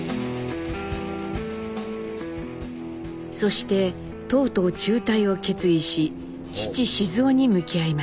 そしてとうとう中退を決意し父雄に向き合いました。